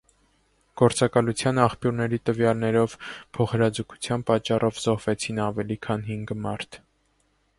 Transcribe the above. Գործակալության աղբյուրների տվյալներով, փոխհրաձգության պատճառով զոհվեցին ավելի քան հինգ մարդ։